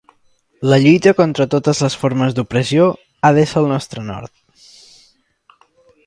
La lluita contra totes les formes d'opressió ha d'ésser el nostre nord.